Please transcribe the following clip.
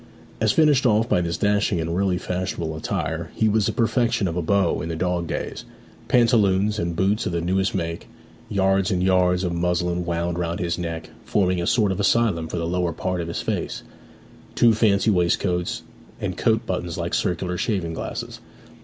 As finished off by this dashing and really fashionable attire, he was the perfection of a beau in the dog days; pantaloons and boots of the newest make; yards and yards of muslin wound round his neck, forming a sort of asylum for the lower part of his face; two fancy waistcoats, and coat buttons like circular shaving glasses.